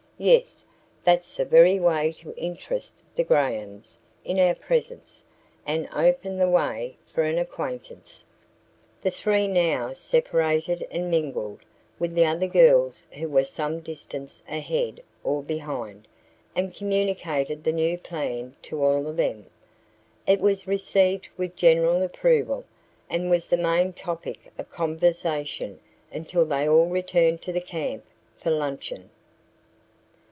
Yes, that's the very way to interest the Grahams in our presence and open the way for an acquaintance." The three now separated and mingled with the other girls who were some distance ahead or behind, and communicated the new plan to all of them. It was received with general approval and was the main topic of conversation until they all returned to the camp for luncheon.